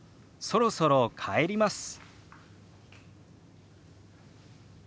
「そろそろ帰ります」。